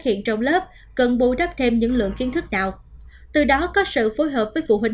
hiện trong lớp cần bù đắp thêm những lượng kiến thức nào từ đó có sự phối hợp với phụ huynh